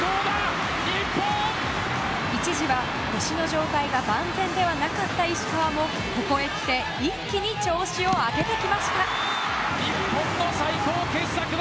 一時は腰の状態が万全ではなかった石川もここへきて一気に調子を上げてきました。